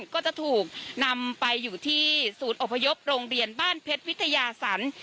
ก็จะถูกนำไปอยู่ที่ศูนย์อพยพโรงเรียนบ้านเพชรวิทยาสัน